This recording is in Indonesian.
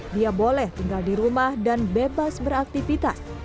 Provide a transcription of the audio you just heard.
dia boleh tinggal di rumah dan bebas beraktivitas